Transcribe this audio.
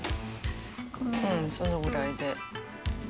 うんそのぐらいで。